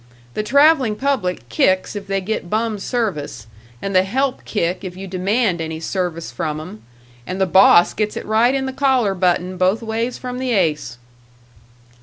The traveling public kicks if they get bum service, and the help kick if you demand any service from 'em, and the boss gets it right in the collar button both ways from the ace."